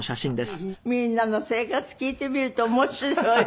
みんなの生活聞いてみると面白いわね。